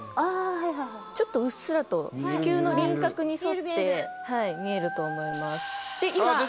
うっすらと地球の輪郭に沿って見えると思います。